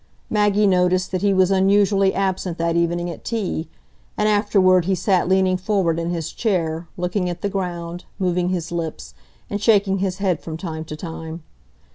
Maggie noticed that he was unusually absent that evening at tea; and afterward he sat leaning forward in his chair, looking at the ground, moving his lips, and shaking his head from time to time.